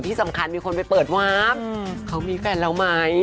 ที่สำคัญมีคนไปเปิดวาร์ฟเขามีแฟนเราไหม